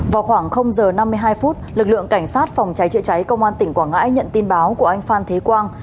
vào khoảng giờ năm mươi hai phút lực lượng cảnh sát phòng cháy chữa cháy công an tỉnh quảng ngãi nhận tin báo của anh phan thế quang